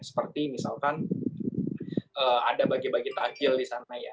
seperti misalkan ada bagi bagi takjil di sana ya